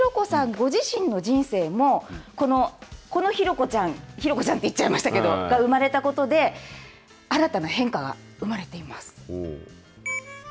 ご自身の人生もこのひろこちゃんひろこちゃんと言っちゃいましたけど生まれたことで新たな変化が生まれています。